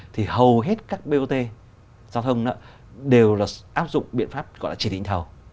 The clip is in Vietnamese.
thì hầu hết các bot giao thông đó đều áp dụng biện pháp gọi là chỉ định thầu